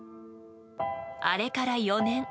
あれから４年。